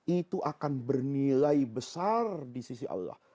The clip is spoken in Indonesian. itu akan bernilai besar di sisi allah